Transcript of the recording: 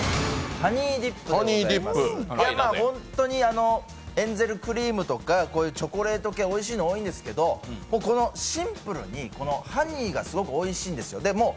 本当にエンゼルクリームとかチョコレート系はおいしいのが多いんですけど、このシンプルにハニーがすごくおいしいんですよ。